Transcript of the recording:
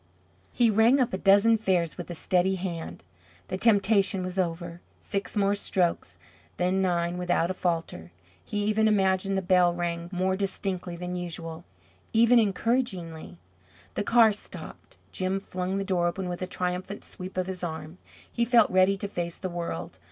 He rang up a dozen fares with a steady hand. The temptation was over. Six more strokes then nine without a falter. He even imagined the bell rang more distinctly than usual, even encouragingly. The car stopped. Jim flung the door open with a triumphant sweep of his arm. He felt ready to face the world.